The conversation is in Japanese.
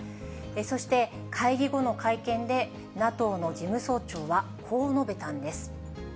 そして会議後の会見で、ＮＡＴＯの事務総長はこう述べたんです。